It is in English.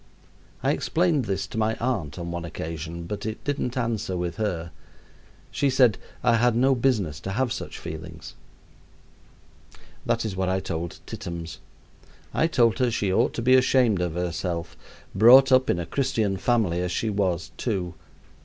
I explained this to my aunt on one occasion, but it didn't answer with her. She said I had no business to have such feelings. That is what I told Tittums. I told her she ought to be ashamed of herself, brought up in at Christian family as she was, too.